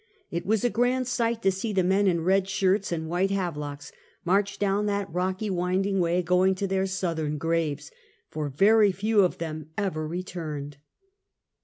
It was a grand sight to see the men in red shirts and white Havelocks march down that rocky, winding way, going to their Southern graves, for very few of them ever returned.